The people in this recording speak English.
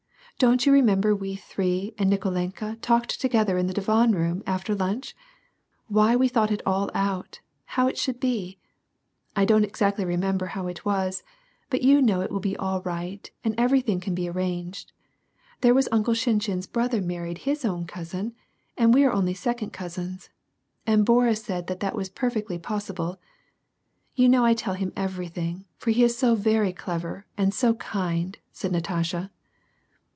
Don't you remember we three and Nikolenka talked together in the divan room, after lunch ? Why we thought it all out, how it should be. I don't exactly remember how it was, but you know it will be all right and everything can be arranged. There was Uncle Shinshin's brother married his (nvn cousin, and we are only second cousins. And Boris said that that was perfectly possible. You know I tell him everything. For he is so clever and so kind," said Natasha.